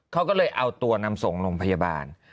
เขาก็เลยเอาตัวนำส่งโรงพยาบาล